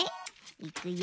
いくよ。